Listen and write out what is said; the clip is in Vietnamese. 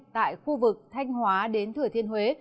tại khu vực thanh hóa đến thửa thiên huế